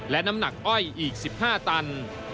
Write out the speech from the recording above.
และน้ำหนักอ้อยอีก๑๕ตัน